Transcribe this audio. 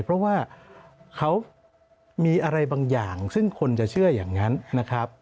เพราะว่าเขามีอะไรบางอย่างซึ่งคนจะเชื่ออย่างนั้นนะครับ